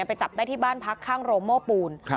ไปจับได้ที่บ้านพักข้างโรงโม่ปูน